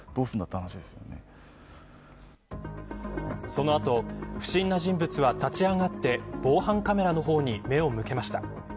その後、不審な人物は立ち上がって防犯カメラの方に目を向けました。